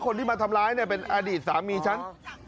คนที่มาทำร้ายเนี่ยเป็นอดีตสามีฉัน